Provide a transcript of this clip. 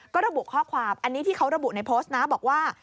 ก็ระบุข้อความอันนี้ที่เขาระบุในโพสต์นะบอกว่า